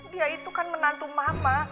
dia itu kan menantu mama